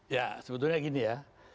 ya sebetulnya gini ya